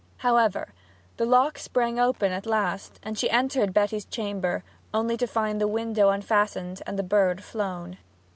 However, the lock sprang open at last, and she entered Betty's chamber only to find the window unfastened and the bird flown.